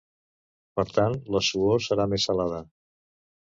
Per tant, la suor serà més salada.